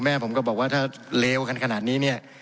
แม่ผมก็บอกว่าถ้าเลวกันขนาดนี้เนี่ย